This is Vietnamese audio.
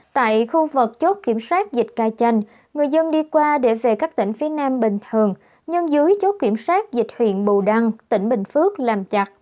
tại khu vực chốt kiểm soát dịch ca chanh người dân đi qua để về các tỉnh phía nam bình thường nhưng dưới chốt kiểm soát dịch huyện bù đăng tỉnh bình phước làm chặt